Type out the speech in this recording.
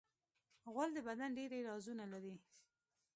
غول د بدن ډېری رازونه لري.